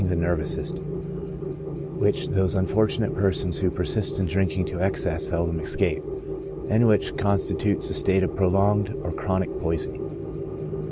21 nervous system, which those unfortunate persons who per sist in drinking to excess seldom escape, and which consti tutes a state of prolonged or chronic poisoning.